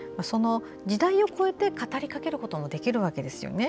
時代を越えて語りかけることができるわけですよね。